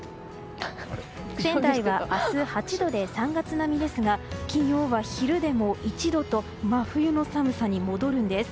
仙台は明日８度で３月並みですが金曜は昼でも１度と真冬の寒さに戻るんです。